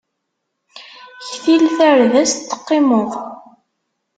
Ktil tardest teqqimeḍ.